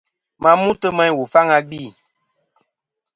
Ma mutɨ meyn wù faŋ tɨ̀ gvì.